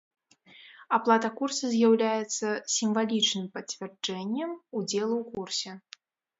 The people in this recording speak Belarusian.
Аплата курса з'яўляецца сімвалічным пацвярджэннем удзелу ў курсе.